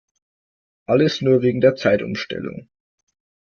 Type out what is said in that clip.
Alles nur wegen der Zeitumstellung!